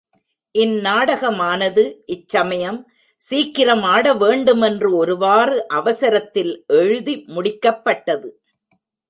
இந் நாடகமானது, இச்சமயம், சீக்கிரம் ஆடவேண்டுமென்று ஒருவாறு அவசரத்தில் எழுதி முடிக்கப்பட்டது.